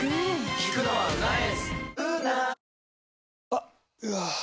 あっ、うわー。